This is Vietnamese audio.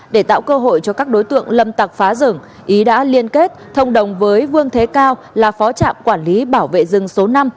để tạo cơ hội cho các đối tượng lâm tặc phá rừng ý đã liên kết thông đồng với vương thế cao là phó trạm quản lý bảo vệ rừng số năm